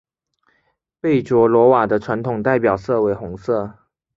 贝卓罗瓦的传统代表色为红色。